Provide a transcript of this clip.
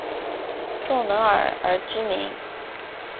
宋能尔而知名。